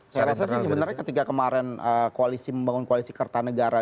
saya rasa sih sebenarnya ketika kemarin koalisi membangun koalisi kertanegara